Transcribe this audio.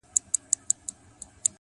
د تمرکز ځواک د بریا سرعت زیاتوي’